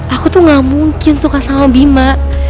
aku tuh gak mungkin suka sama bima